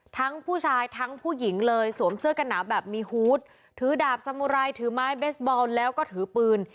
ทั้งผู้ชายทั้งผู้หญิงเลยสวมเสื้อกันหนาวแบบมีฮูตถือดาบสมุไรถือไม้เบสบอลแล้วก็ถือปืน